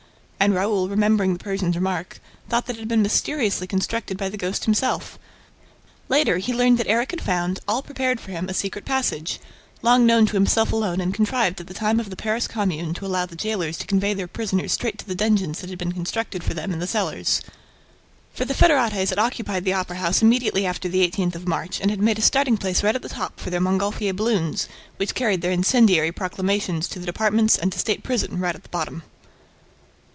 And Raoul, remembering the Persian's remark, thought that it had been mysteriously constructed by the ghost himself. Later, he learned that Erik had found, all prepared for him, a secret passage, long known to himself alone and contrived at the time of the Paris Commune to allow the jailers to convey their prisoners straight to the dungeons that had been constructed for them in the cellars; for the Federates had occupied the opera house immediately after the eighteenth of March and had made a starting place right at the top for their Mongolfier balloons, which carried their incendiary proclamations to the departments, and a state prison right at the bottom.